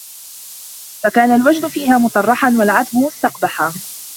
فَكَانَ الْوَجْدُ فِيهَا مُطَّرَحًا ، وَالْعَتْبُ مُسْتَقْبَحًا